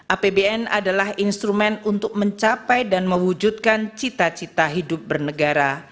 apbn adalah instrumen untuk mencapai dan mewujudkan cita cita hidup bernegara